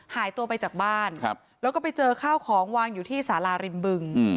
หายตัวไปจากบ้านแล้วก็ไปเจอข้าวของวางอยู่ที่สาราริมบึง